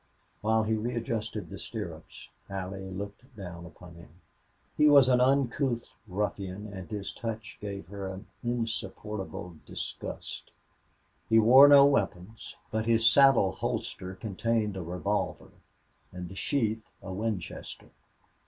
While he readjusted the stirrups, Allie looked down upon him. He was an uncouth ruffian, and his touch gave her an insupportable disgust. He wore no weapons, but his saddle holster contained a revolver and the sheath a Winchester.